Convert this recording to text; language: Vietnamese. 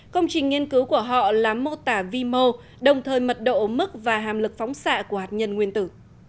công trình nghiên cứu của họ là mô tả vi mô đồng thời mật độ mức và hàm lực phóng xạ của hạt nhân nguyên tử